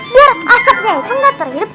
biar asapnya itu gak terlip